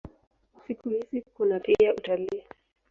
Siku hizi kuna pia utalii.